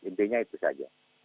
intinya itu saja